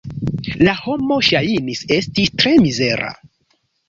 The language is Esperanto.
La homo ŝajnis esti tre mizera.